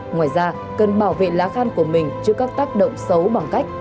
ngoài ra cần bảo vệ lá khăn của mình trước các tác động xấu bằng cách